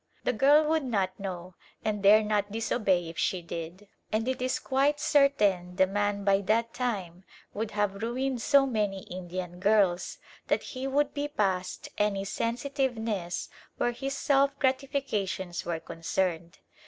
The girl would not know, and dare not disobey if she did; and it is quite certain the man by that time would have ruined so many Indian girls that he would be past any sensitiveness where his self gratifications were concerned.